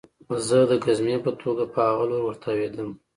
زه د ګزمې په توګه په هغه لور ورتاوېدم